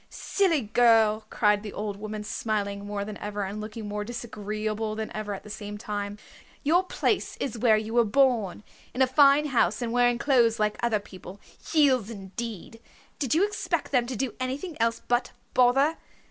"Silly girl!" cried the old woman, smiling more than ever, and looking more disagreeable than ever at the same time. "Your place is where you were born in a fine house and wearing clothes like other people. Heels indeed! Did you expect them to do any thing else but bother?